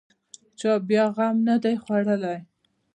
چا بیا غم نه دی خوړلی.